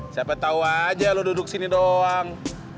siapa tahu aja lo duduk sini doang